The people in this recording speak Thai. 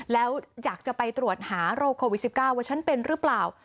แล้วอยากจะไปตรวจหาโรคโควิด๑๙ว่าฉันเป็นหรือเปล่า